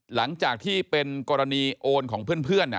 หลังจากที่เป็นกรณีโอนของเพื่อน